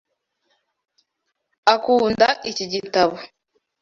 Akunda iki gitabo.